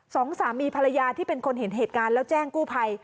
สองสามีภรรยาที่เป็นคนเห็นเหตุการณ์แล้วแจ้งกู้ภัย